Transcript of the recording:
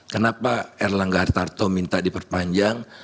kenapa erlangga hartarto minta diperpanjang